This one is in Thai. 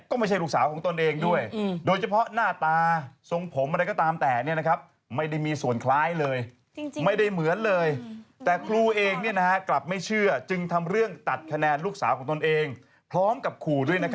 ก็ไม่ใช่ลูกสาวของตนเองด้วย